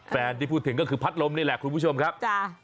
แฟนที่พูดถึงก็คือพัดลมนี่แหละคุณผู้ชมครับ